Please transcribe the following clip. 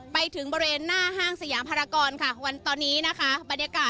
ไปถึงบริเวณหน้าห้างสยามพารากรค่ะวันตอนนี้นะคะ